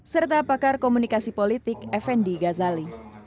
serta pakar komunikasi politik effendi ghazali